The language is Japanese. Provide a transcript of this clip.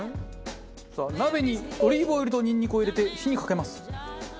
さあ鍋にオリーブオイルとニンニクを入れて火にかけます。